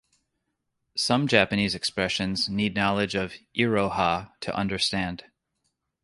Some Japanese expressions need knowledge of "iroha" to understand.